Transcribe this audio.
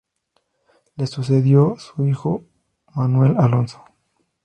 Le sucedió su hijo Manuel Alonso.